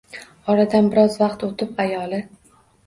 Oradan biroz vaqt o`tib, ayoli